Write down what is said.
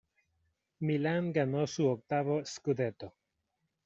Milan ganó su octavo "scudetto".